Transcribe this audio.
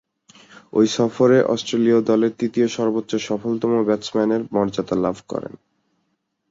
ঐ সফরে অস্ট্রেলীয় দলের তৃতীয় সর্বোচ্চ সফলতম ব্যাটসম্যানের মর্যাদা লাভ করেন।